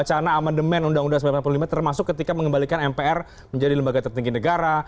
wacana amandemen undang undang seribu sembilan ratus sembilan puluh lima termasuk ketika mengembalikan mpr menjadi lembaga tertinggi negara